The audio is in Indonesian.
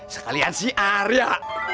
sekalian si arya